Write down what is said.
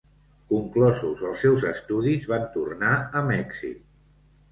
Conclosos els seus estudis, van tornar a Mèxic.